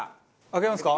開けますか？